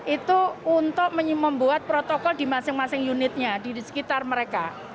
itu untuk membuat protokol di masing masing unitnya di sekitar mereka